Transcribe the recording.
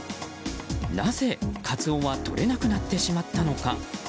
なぜ、カツオはとれなくなってしまったのか。